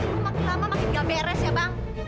lu makin lama makin tinggal beres ya bang